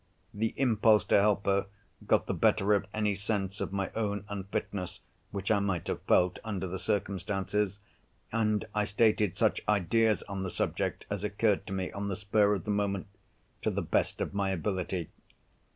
The impulse to help her got the better of any sense of my own unfitness which I might have felt under the circumstances; and I stated such ideas on the subject as occurred to me on the spur of the moment, to the best of my ability.